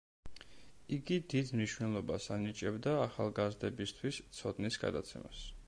იგი დიდ მნიშვნელობას ანიჭებდა ახალგაზრდებისთვის ცოდნის გადაცემას.